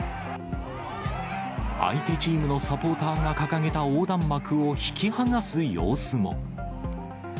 相手チームのサポーターが掲げた横断幕を引き剥がす様子も。